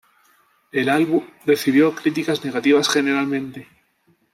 El álbum recibió críticas negativas generalmente.